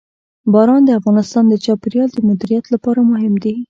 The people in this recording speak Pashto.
باران د افغانستان د چاپیریال د مدیریت لپاره مهم دي.